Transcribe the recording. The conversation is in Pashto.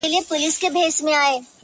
• ما خو ویل چي نه را ګرځمه زه نه ستنېږم ,